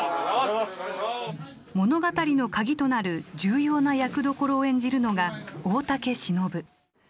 物語の鍵となる重要な役どころを演じるのが大竹しのぶ。